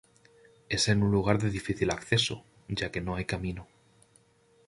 Es en un lugar de difícil acceso, ya que no hay camino.